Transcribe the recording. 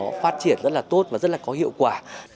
nó phát triển rất là tốt và rất là có hiệu quả